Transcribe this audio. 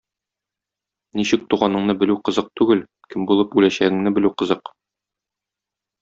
Ничек туганыңны белү кызык түгел, кем булып үләчәгеңне белү кызык.